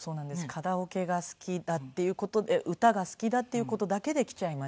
カラオケが好きだっていう事で歌が好きだっていう事だけで来ちゃいまして。